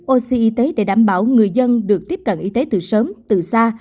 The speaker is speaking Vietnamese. oxy y tế để đảm bảo người dân được tiếp cận y tế từ sớm từ xa